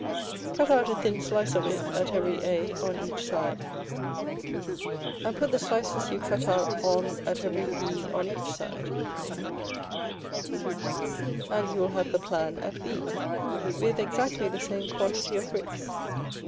Cut out a thin slice of it at every a on each side, and put the slices you cut out on at every b on each side, and you will have the plan at B, with exactly the same quantity of bricks.